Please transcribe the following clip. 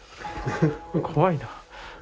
怖いな。